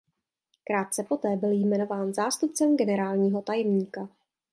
Krátce poté byl jmenován zástupcem generálního tajemníka.